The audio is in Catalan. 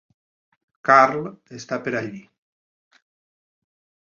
Karl està per allí.